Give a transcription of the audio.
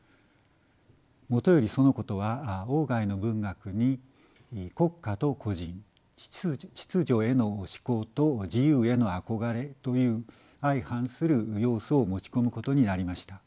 もとよりそのことは外の文学に国家と個人秩序への志向と自由への憧れという相反する要素を持ち込むことになりました。